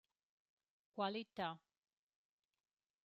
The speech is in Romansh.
«Qualità».